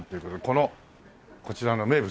このこちらの名物。